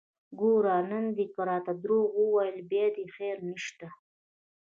ګوره نن دې که راته دروغ وويل بيا دې خير نشته!